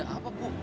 ada apa bu